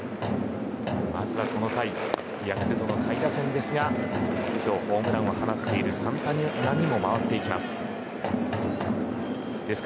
まずはこの回ヤクルトの下位打線ですが今日、ホームランを放っているサンタナにも回っていきます。